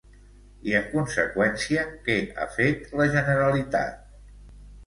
I en conseqüència, què ha fet la Generalitat?